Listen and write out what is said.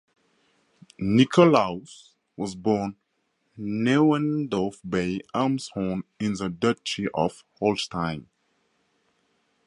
Nicolaus was born Neuendorf bei Elmshorn in the Duchy of Holstein.